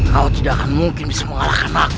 kau tidak mungkin bisa mengalahkan aku